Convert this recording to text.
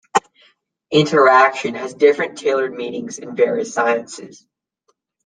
"Interaction" has different tailored meanings in various sciences.